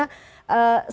saya ingin tahu